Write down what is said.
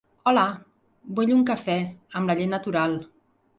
Hola, vull un cafè, amb la llet natural.